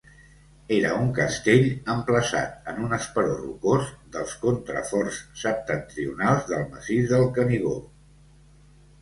Era un castell emplaçat en un esperó rocós dels contraforts septentrionals del Massís del Canigó.